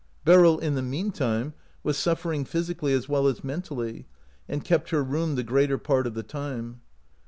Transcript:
Beryl, in the mean time, was suffering physically as well as mentally, and kept her room the greater part of the time.